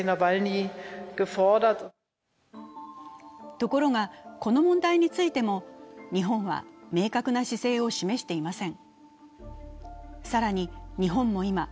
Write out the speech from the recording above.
ところが、この問題についても日本は明確な姿勢を示していません。